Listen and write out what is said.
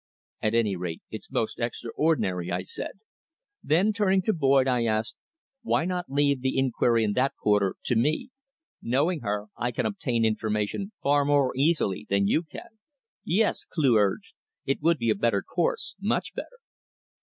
"At any rate it's most extraordinary," I said. Then, turning to Boyd, I asked, "Why not leave the inquiry in that quarter to me? Knowing her, I can obtain information far more easily than you can." "Yes," Cleugh urged. "It would be a better course much better."